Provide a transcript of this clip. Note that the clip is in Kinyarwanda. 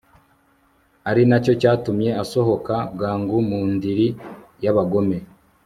ari na cyo cyatumye asohoka bwangu mu ndiri y'abagome